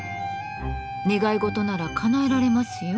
願い事ならかなえられますよ。